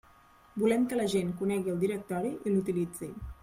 Volem que la gent conegui el directori i l'utilitzi.